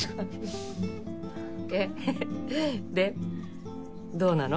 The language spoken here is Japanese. でどうなの？